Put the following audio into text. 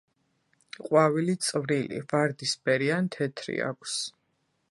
ყვავილი წვრილი, ვარდისფერი ან თეთრი აქვს.